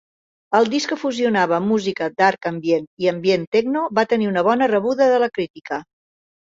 El disc, que fusionava música dark ambient i ambient techno, va tenir una bona rebuda de la crítica.